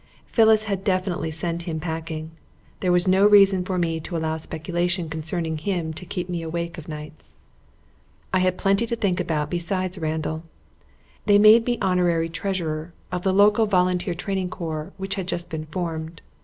Phyllis had definitely sent him packing. There was no reason for me to allow speculation concerning him to keep me awake of nights. I had plenty to think about besides Randall. They made me Honorary Treasurer of the local Volunteer Training Corps which had just been formed.